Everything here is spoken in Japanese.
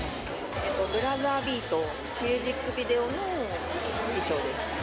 ブラザービート、ミュージックビデオの衣装です。